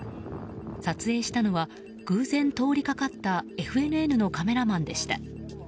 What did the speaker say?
撮影したのは、偶然通りかかったＦＮＮのカメラマンでした。